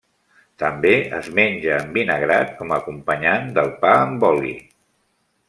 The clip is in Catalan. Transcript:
També es menja envinagrat com a acompanyant del pa amb oli.